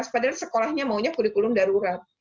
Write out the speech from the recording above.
padahal sekolahnya maunya kurikulum darurat